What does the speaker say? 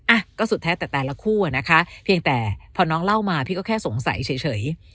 อ่ะก็สุดแท้แต่แต่ละคู่อะนะคะเพียงแต่พอน้องเล่ามาพี่ก็แค่สงสัยเฉย